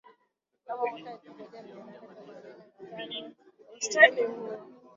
mnamo mwaka elfu moja mia nane themanini na tano Usultani huo